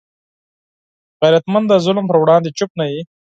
غیرتمند د ظلم پر وړاندې چوپ نه وي